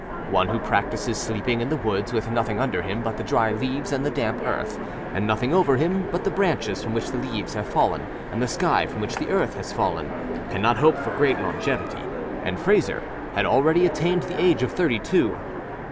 One who practices sleeping in the woods with nothing under him but the dry leaves and the damp earth, and nothing over him but the branches from which the leaves have fallen and the sky from which the earth has fallen, cannot hope for great longevity, and Frayser had already attained the age of thirty two.